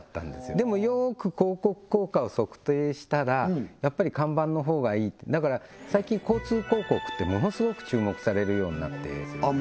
でもよく広告効果を測定したらやっぱり看板の方がいいとだから最近交通広告ってものすごく注目されるようになってるんですね